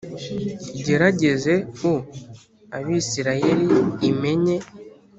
igerageze u Abisirayeli imenye